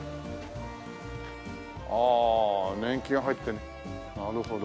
ああ年季が入ってなるほど。